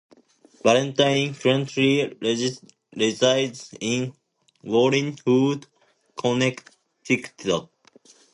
Valentine currently resides in Wallingford, Connecticut.